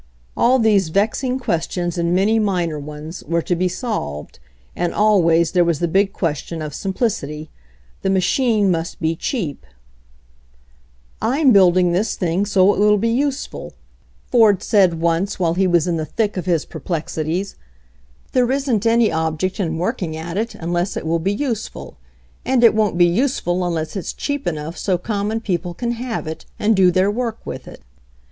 All these vexing questions, and many minor ones, were to be solved, and always there was the big question of simplicity. The machine must be cheap. Tm building this thing so it will be useful/' Ford said once while he was in the thick of his STRUGGLING WITH THE FIRST CAR 83 perplexities. "There isn't any object in working at it unless it will be useful, and it won't be use ful unless it's cheap enough so common people can have it, and do their work with it."